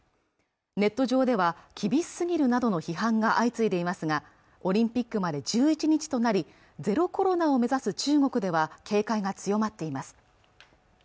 ネット上では厳しすぎるなどの批判が相次いでいますがオリンピックまで１１日となりゼロコロナを目指す中国では警戒が強まっています